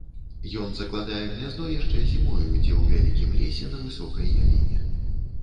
Ён закладае гняздо яшчэ зімою дзе ў вялікім лесе на высокай яліне.